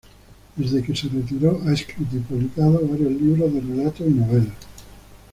Desde que se retiró ha escrito y publicado varios libros de relatos y novelas.